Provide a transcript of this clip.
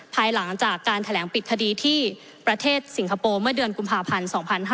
ภายหลังจากการแถลงปิดคดีที่ประเทศสิงคโปร์เมื่อเดือนกุมภาพันธ์๒๕๕๙